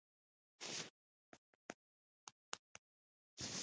زړه د مینې له خاطره قرباني ته تیار وي.